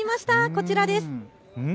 こちらです。